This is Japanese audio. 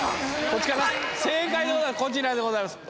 正解はこちらでございます。